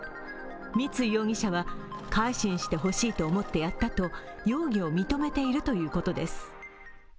三井容疑者は改心してほしいと思ってやったと容疑を認めているということです。